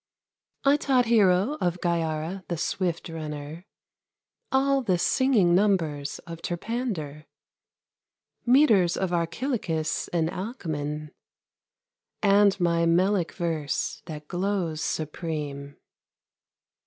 I taught Hero, of Gyara, the swift runner, All the singing numbers of Terpander, Metres of Archilochus and Alcman, And my melic verse that glows supreme.